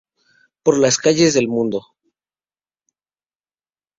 Por las calles del mundo".